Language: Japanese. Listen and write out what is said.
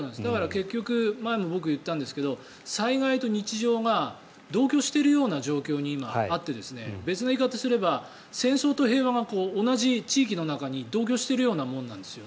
結局、僕、前も言ったんですけど災害と日常が同居しているような状況に今あって別の言い方をすれば戦争と平和が同じ地域の中に同居しているようなものです。